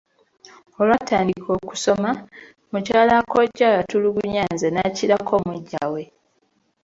Olwatandika okusoma, mukyala kkojja yatulugunya nze ne nkirako muggya we.